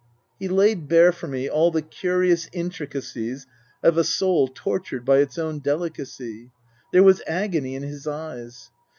He laid bare for me all the curious intricacies of a soul tortured by its own delicacy. There was agony in his eyes.